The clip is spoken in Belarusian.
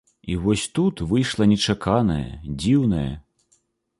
І вось тут выйшла нечаканае, дзіўнае.